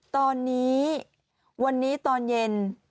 ตอนนี้วันนี้ตอนเย็น